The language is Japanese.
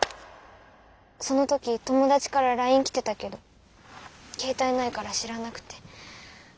その時友達からライン来てたけど携帯ないから知らなくて。